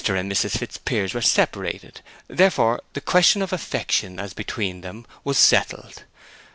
and Mrs. Fitzpiers were separated; therefore the question of affection as between them was settled.